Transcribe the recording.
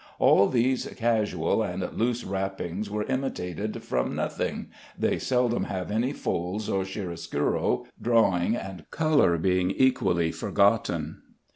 All these casual and loose wrappings were imitated from nothing; they seldom have any folds or chiaroscuro, drawing and color being equally forgotten."